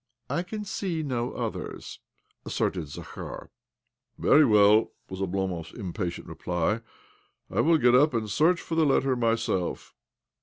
" I can see no others," asserted Zakhar, " Very well," was Oblomov's impatient reply. " I will get up and search for the letter myself."